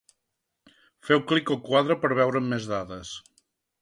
Feu clic al quadre per veure'n més dades.